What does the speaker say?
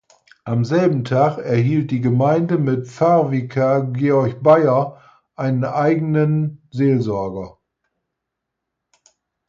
Am selben Tag erhielt die Gemeinde mit Pfarrvikar Georg Bayer einen eigenen Seelsorger.